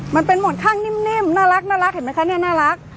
มันเป็นหมอนข้างนิ่มนิ่มน่ารักน่ารักเห็นไหมคะเนี้ยน่ารัก